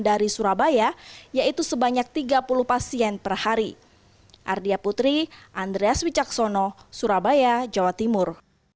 dari surabaya yaitu sebanyak tiga puluh pasien perhari ardia putri andreas wicaksono surabaya jawa timur